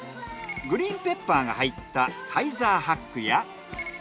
グリーンペッパーが入ったカイザーハックや。